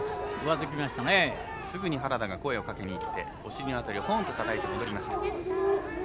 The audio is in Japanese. すぐに原田が声をかけに行ってポンとたたいて戻りました。